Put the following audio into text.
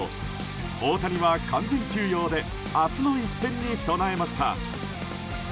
大谷は完全休養で明日の一戦に備えました。